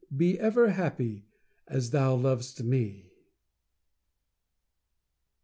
Be ever happy, As thou lov'st me!